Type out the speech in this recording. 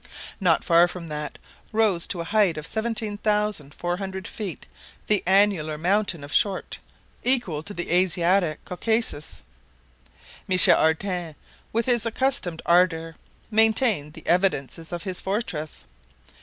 Not far from that, rose to a height of 17,400 feet the annular mountain of Short, equal to the Asiatic Caucasus. Michel Ardan, with his accustomed ardor, maintained "the evidences" of his fortress.